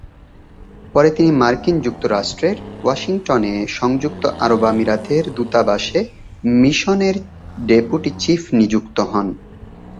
পরে তিনি মার্কিন যুক্তরাষ্ট্রের ওয়াশিংটন-এ সংযুক্ত আরব আমিরাতের দূতাবাসে মিশনের ডেপুটি চীফ নিযুক্ত হন।